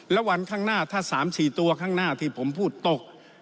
แล้ววันข้างหน้าถ้า๓๔ตัวข้างหน้าที่ผมพูดตก